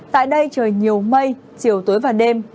tại đây trời nhiều mây chiều tối và đêm